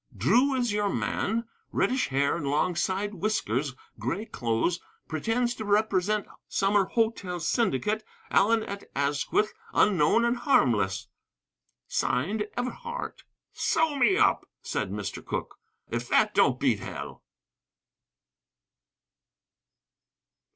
"'Drew is your man. Reddish hair and long side whiskers, gray clothes. Pretends to represent summer hotel syndicate. Allen at Asquith unknown and harmless. "' (Signed.) Everhardt."' "Sew me up," said Mr. Cooke; "if that don't beat hell!"